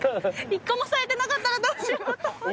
一個も咲いてなかったらどうしようかと思って。